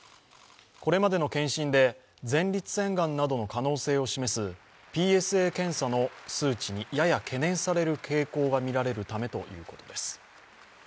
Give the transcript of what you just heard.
これまでの検診で前立腺がんなどの可能性を示すＰＳＡ検査の数値にやや懸念される傾向がみられるためということです。